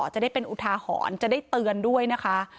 จะได้เป็นอุทาหรณ์จะได้เตือนด้วยนะคะ